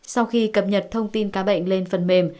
sau khi cập nhật thông tin cá bệnh lên phần mềm